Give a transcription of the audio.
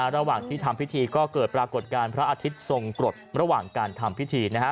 ระหว่างที่ทำพิธีก็เกิดปรากฏการณ์พระอาทิตย์ทรงกรดระหว่างการทำพิธีนะฮะ